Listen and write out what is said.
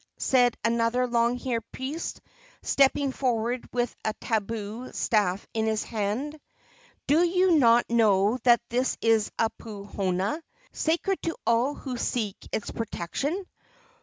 said another long haired priest, stepping forward with a tabu staff in his hand. "Do you not know that this is a puhonua, sacred to all who seek its protection?